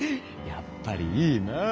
やっぱりいいなあ！